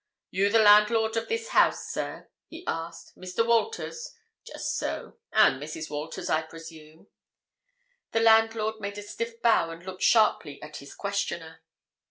"You the landlord of this house, sir?" he asked. "Mr. Walters? Just so—and Mrs. Walters, I presume?" The landlord made a stiff bow and looked sharply at his questioner.